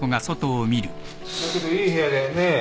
だけどいい部屋だよね。